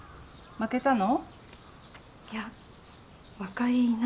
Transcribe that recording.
負けたの？